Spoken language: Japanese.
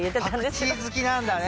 パクチー好きなんだね。